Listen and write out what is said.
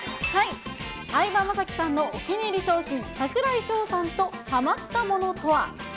相葉雅紀さんのお気に入り商品、櫻井翔さんとハマったものとは？